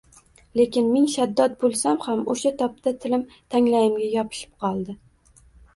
lekin ming shaddod boʼlsam ham oʼsha tobda tilim tanglayimga yopishib qoldi.